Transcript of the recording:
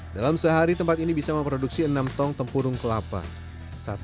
dalam sehari tempat ini bisa memproduksi enam tong tempurung kelapa